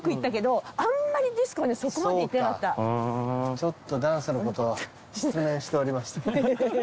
ちょっとダンスのことは失念しておりました。